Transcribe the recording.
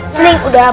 seling udah bersih